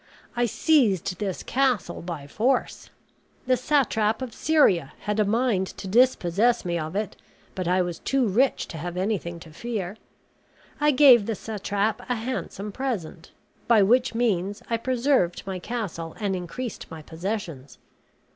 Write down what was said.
I seized this castle by force. The Satrap of Syria had a mind to dispossess me of it; but I was too rich to have anything to fear. I gave the satrap a handsome present, by which means I preserved my castle and increased my possessions.